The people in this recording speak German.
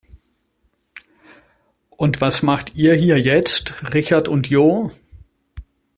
Und was macht ihr hier jetzt, Richard und Jo?